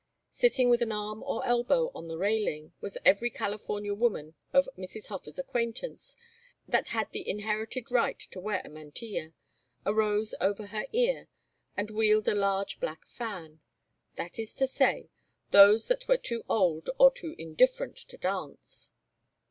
Sitting with an arm or elbow on the railing, was every California woman of Mrs. Hofer's acquaintance that had the inherited right to wear a mantilla, a rose over her ear, and wield a large black fan; that is to say, those that were too old or too indifferent to dance.